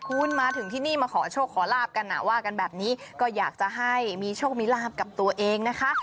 คุณมาถึงที่นี่มาขอโชคขอลาบกันอ่ะว่ากันแบบนี้ก็อยากจะให้มีโชคมีลาบกับตัวเองนะคะ